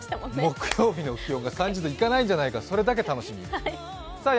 木曜日の気温が３０度いかないんじゃないか、それだけを楽しみに。